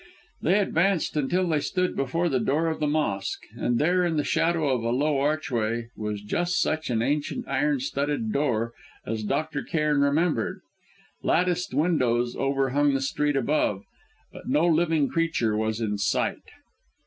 They advanced until they stood before the door of the mosque and there in the shadow of a low archway was just such an ancient, iron studded door as Dr. Cairn remembered! Latticed windows overhung the street above, but no living creature was in sight.